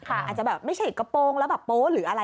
อาจจะแบบไม่ใช่กระโปรงแล้วแบบโป๊ะหรืออะไร